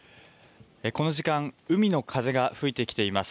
この時間、海の風が吹いてきています。